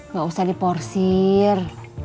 gak usah diporsir